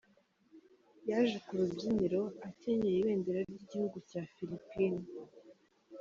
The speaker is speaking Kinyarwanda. Yaje ku rubyiniro akenyeye ibendera ry’igihugu cya Philippines.